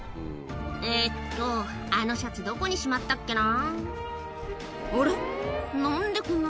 えっと、あのシャツ、どこにしまったっけな？